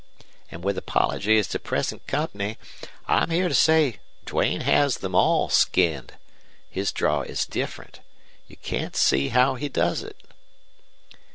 An' with apologies to present company, I'm here to say Duane has them all skinned. His draw is different. You can't see how he does it."